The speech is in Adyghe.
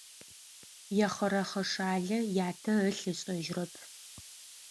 Ехъырэхъышалэ ятэ ылъ ышӏэжьырэп.